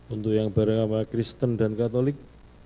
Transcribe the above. untuk yang barah barah kristen dan katolik